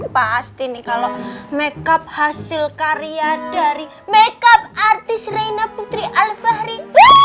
pasti nih kalau makeup hasil karya dari makeup artis reina putri al fahri